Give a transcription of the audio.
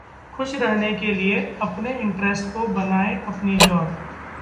खुश रहने के लिए अपने 'इंटरेस्ट' को बनाएं अपनी जॉब